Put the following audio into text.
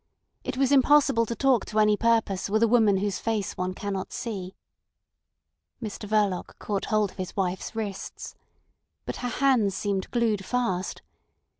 It was impossible to talk to any purpose with a woman whose face one cannot see. Mr Verloc caught hold of his wife's wrists. But her hands seemed glued fast.